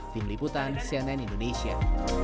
bim liputan cnn indonesia